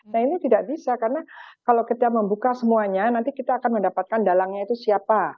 nah ini tidak bisa karena kalau kita membuka semuanya nanti kita akan mendapatkan dalangnya itu siapa